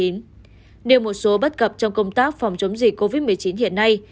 nêu một số bất cập trong công tác phòng chống dịch covid một mươi chín hiện nay